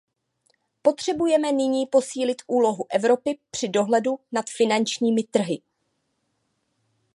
Potřebujeme nyní posílit úlohu Evropy při dohledu nad finančními trhy.